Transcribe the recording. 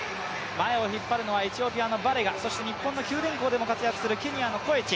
前を引っ張るのはエチオピアのバレガそして日本の九電工でも活躍をする、ケニアのコエチ。